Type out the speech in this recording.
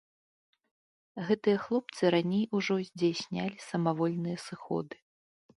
Гэтыя хлопцы раней ужо здзяйснялі самавольныя сыходы.